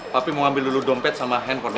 papi mau ambil dulu dompet sama handphone nya